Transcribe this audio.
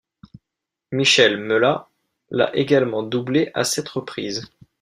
Michel Mella l'a également doublé à sept reprises.